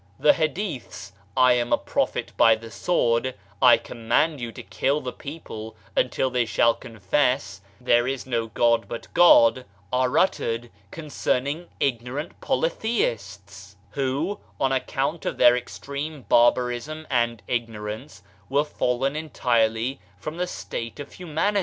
The Hadeeths, "I am a Prophet by the sword," "I command you to kill the people until they shall confess," "There is no God but God," are uttered concerning ignorant polytheists, who, on account SO Digitized by Google OF CIVILIZATION of their extreme barbarism and ignorance, were fallen entirely from the state of humani^.